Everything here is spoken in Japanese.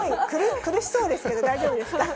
苦しそうですけど、大丈夫ですか。